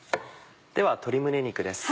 では鶏胸肉です。